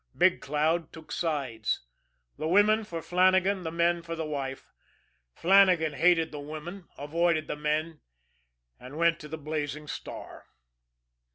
Big Cloud took sides the women for Flannagan; the men for the wife. Flannagan hated the women, avoided the men and went to the Blazing Star.